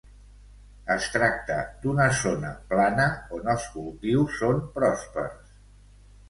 Es tracta d'una zona plana on els cultius són pròspers.